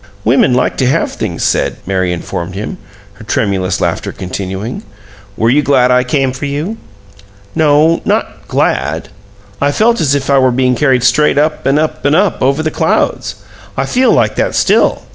"Women like to have things said," Mary informed him, her tremulous laughter continuing. "Were you glad I came for you?" "No not 'glad.' I felt as if I were being carried straight up and up and up over the clouds. I feel like that still.